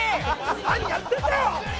何やってんだよ！